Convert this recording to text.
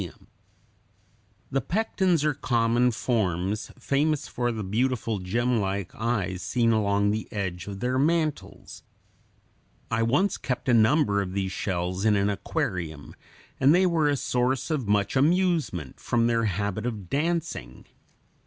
86. Pectens swimming.] The pectens are common forms famous for the beautiful gemlike eyes seen along the edge of their mantles. I once kept a number of these shells in an aquarium, and they were a source of much amusement, from their habit of dancing (Fig.